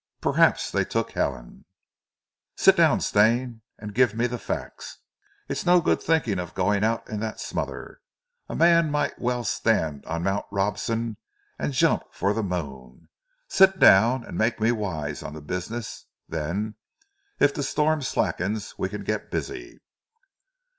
Perhaps they took Helen " "Sit down, Stane, and give me the facts. It's no good thinking of going out in that smother. A man might as well stand on Mount Robson and jump for the moon! Sit down and make me wise on the business, then if the storm slackens we can get busy."